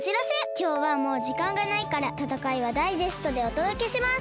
きょうはもうじかんがないからたたかいはダイジェストでおとどけします！